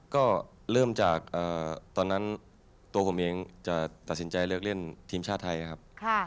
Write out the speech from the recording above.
ก็เริ่มจากตอนนั้นตัวผมเองจะตัดสินใจเลือกเล่นทีมชาติไทยครับ